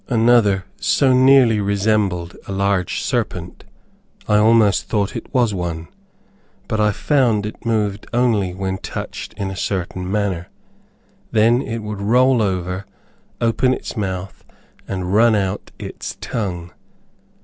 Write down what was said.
Another so nearly resembled a large serpent, I almost thought it was one; but I found it moved only when touched in a certain manner. Then it would roll over, open its mouth, and run out its tongue.